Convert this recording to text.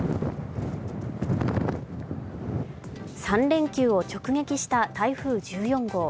３連休を直撃した台風１４号。